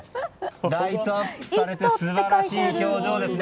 ライトアップされて素晴らしい表情ですね。